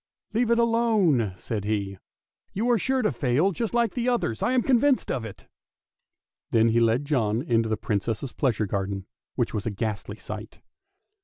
" Leave it alone! " said he; " you are sure to fail just like the others, I am convinced of it! " Then he led John into the Princess' pleasure garden, which was a ghastly sight.